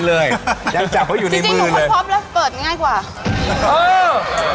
เพราะว่าก่อนอื่นเลยเนี่ยนะครับ